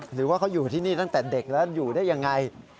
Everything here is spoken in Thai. หรือว่าเขาอยู่ที่นี่ตั้งแต่เด็กแล้วอยู่ได้ยังไง